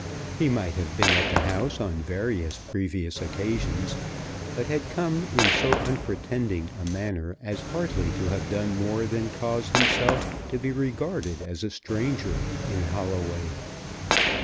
He might have been at the house on various previous occasions, but had come in so unpretending a manner as hardly to have done more than to cause himself to be regarded as a stranger in Holloway.